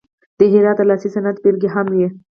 د هرات د لاسي صنعت بیلګې هم وې.